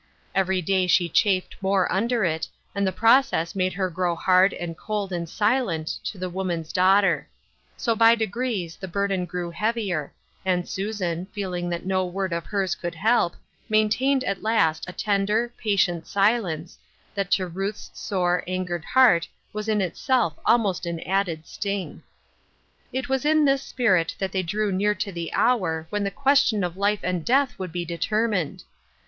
Every day she chafed more under it, and the process made her grow hard and cold and silent to the woman's daughter. So by degrees the burden grew heavier, and Susan, feeling that no word of hevs could help, maintained at last a tender, " Through a Glass Darkly r • 217 patient silence, that to Ruth's sore, angered heart was in itself almost an added sting. It was in this spirit that thej drew near to the hour when the question of life and death would be determined.